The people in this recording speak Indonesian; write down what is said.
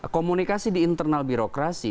komunikasi di internal birokrasi